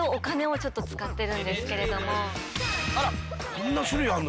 こんな種類あるの？